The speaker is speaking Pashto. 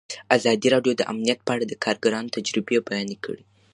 ازادي راډیو د امنیت په اړه د کارګرانو تجربې بیان کړي.